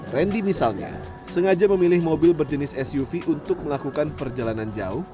randy misalnya sengaja memilih mobil berjenis suv untuk melakukan perjalanan jauh